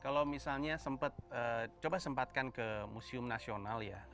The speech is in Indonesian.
kalau misalnya sempat coba sempatkan ke museum nasional ya